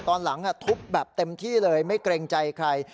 ตอนหลังทุบแบบเต็มที่เลยไม่เกรงใจใคร